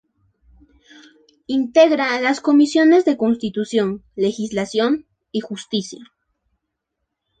Integra las comisiones de Constitución, Legislación y Justicia.